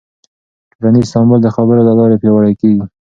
ټولنیز تعامل د خبرو له لارې پیاوړی کېږي.